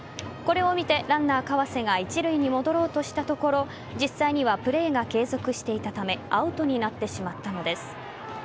これを見て、ランナー・川瀬が一塁に戻ろうとしたところ実際にはプレーが継続していたためアウトになってしまったのです。